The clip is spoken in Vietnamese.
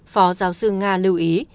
phó giáo sư nga lưu ý